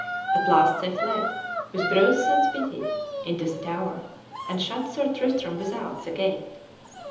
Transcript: At last they fled, with Breuse sans Pitie, into the tower, and shut Sir Tristram without the gate.